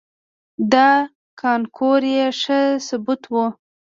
دا کانکور یې ښه ثبوت و.